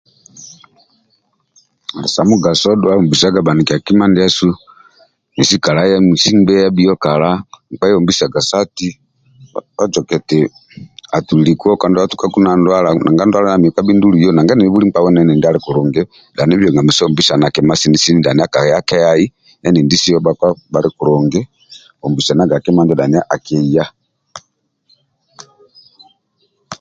Ali sa mugaso dhua ombisaga bhanikia kima ndiasu nesi kala nesi ingbe yabhio kala nkpa yahombasaga sati ojoke eti atulili kuwo kandi atukaku na ndwala nanga endindi buli nkpa ali kulungi dhani bigambo sa ombisanaga sini sini dhani akaya kehai endindi sio vhakpa bhali kulungi ombisanaga kima injo dhani akehiya